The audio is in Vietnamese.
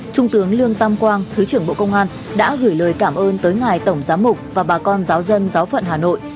trung tướng lương tam quang thứ trưởng bộ công an đã gửi lời cảm ơn tới ngài tổng giám mục và bà con giáo dân giáo phận hà nội